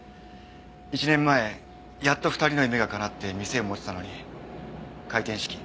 １年前やっと２人の夢がかなって店を持てたのに開店資金